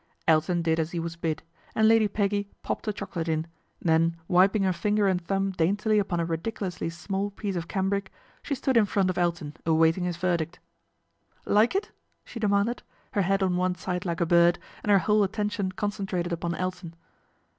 Elton did as he was bid, and Lady Peggy popped a chocolate in, then wiping her finger and thumb daintily upon a ridiculously small piece of cambric, she stood in front of Elton awaiting his verdict. " Like it ?" she demanded, her head on one side like a bird, and her whole attention concentrated upon Elton.